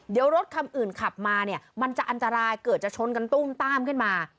เดี๋ยวรถคันอื่นขับมาเนี่ยมันจะอันตรายเกิดจะชนกันตุ้มต้ามขึ้นมา